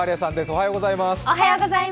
おはようございます。